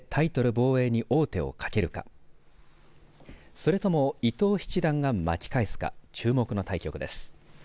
防衛に王手をかけるかそれとも伊藤七段が巻き返すか注目の対局です。